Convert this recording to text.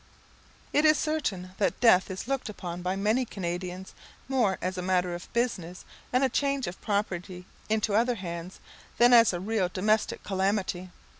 It is certain that death is looked upon by many Canadians more as a matter of business, and a change of property into other hands, than as a real domestic calamity.